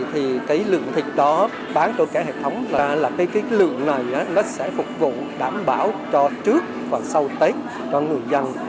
thì cái lượng thịt đó bán cho cả hệ thống là cái lượng này nó sẽ phục vụ đảm bảo cho trước và sau tết cho người dân